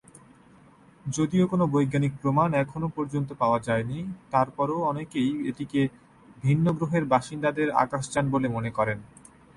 যদিও কোন বৈজ্ঞানিক প্রমাণ এখন পর্যন্ত পাওয়া যায়নি, তারপরও অনেকেই এটিকে ভিন্ন গ্রহের বাসিন্দাদের আকাশযান বলে মনে করেন।